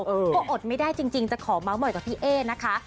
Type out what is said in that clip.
เพราะอดไม่ได้จริงจะขอเมาส์บ่อยกับพี่เอ๊นะคะ